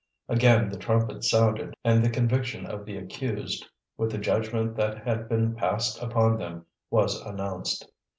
Again the trumpets sounded, and the conviction of the accused, with the judgment that had been passed upon them, was announced.